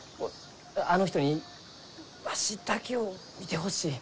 あの人にわしだけを見てほしい。